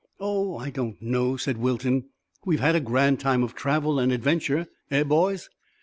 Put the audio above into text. "Oh, I don't know," said Wilton. "We've had a grand time of travel and adventure, eh, boys?"